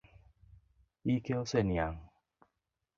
Ike oseniang'.